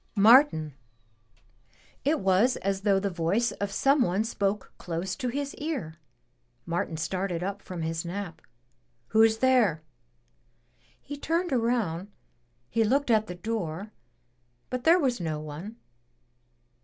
"Martin!'' — ^it was as though the voice of some one spoke close to his ear. Martin started up from his nap. "Who's there?" He turned around, he looked at the door, but there was no one.